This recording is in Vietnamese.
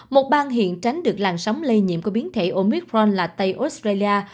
một bang hiện tránh được làn sóng lây nhiễm của biến thể omicron là tây australia